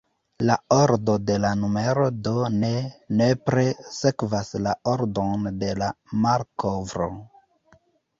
La ordo de la numero do ne nepre sekvas la ordon de la malkovro.